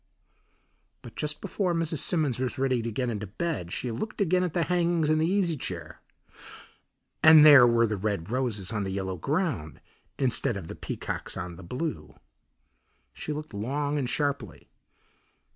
But just before Mrs. Simmons was ready to get into bed she looked again at the hangings and the easy chair, and there were the red roses on the yellow ground instead of the peacocks on the blue. She looked long and sharply.